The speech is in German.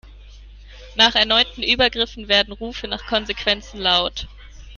Nach erneuten Übergriffen werden Rufe nach Konsequenzen laut.